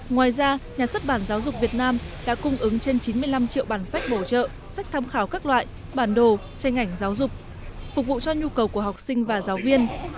ngoài ra nhà xuất bản giáo dục việt nam đã cung ứng trên chín mươi năm triệu bản sách bổ trợ sách tham khảo các loại bản đồ tranh ảnh giáo dục phục vụ cho nhu cầu của học sinh và giáo viên